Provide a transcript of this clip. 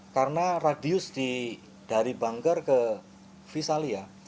karena radius dari banggar ke visalia